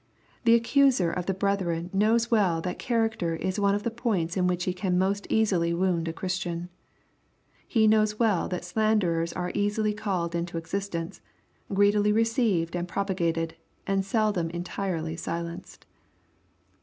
The accuser of the brethren knows well that character is one of the points in which he can most easily wound a Christian. He knows well that slanders are easily called into existence, greedily received and propagated, and seldom entirely silenced.